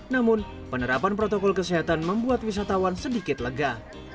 namun penerapan protokol kesehatan membuat wisatawan sedikit lega